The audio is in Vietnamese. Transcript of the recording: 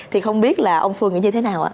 thì không biết là ông phương như thế nào ạ